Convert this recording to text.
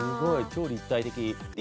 超立体的。